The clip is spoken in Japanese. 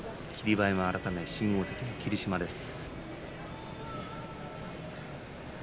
馬山改め新大関の霧島です。